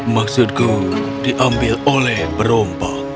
maksudku diambil oleh perompak